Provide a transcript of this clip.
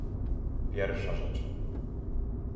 Pierwsza rzecz